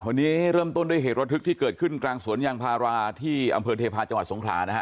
วันนี้เริ่มต้นด้วยเหตุระทึกที่เกิดขึ้นกลางสวนยางพาราที่อำเภอเทพาะจังหวัดสงขลานะฮะ